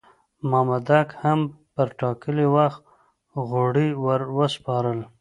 مامدک هم پر ټاکلي وخت غوړي ور وسپارل.